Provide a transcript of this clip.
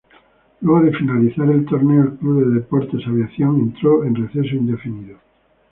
Luego de finalizar el torneo, el club de Deportes Aviación entró en receso indefinido.